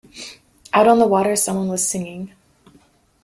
Out on the water someone was singing.